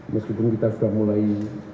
meskipun kita sudah mulai